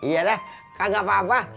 yalah kagak apa apa